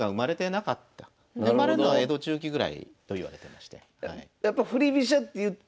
生まれんのは江戸中期ぐらいといわれてまして。